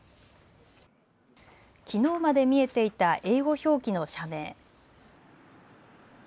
きのうまで見えていた英語表記の社名。